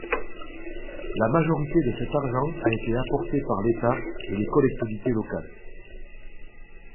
La majorité de cet argent a été apporté par l’État et les collectivités locales.